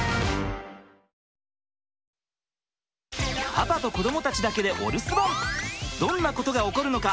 パパと子どもたちだけでお留守番どんなことが起こるのか？